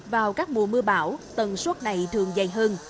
vào các mùa mưa bão tần suất này thường dày hơn